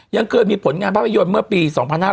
ยังเคยมีผลงานภาพยนตร์เมื่อปี๒๕๕๙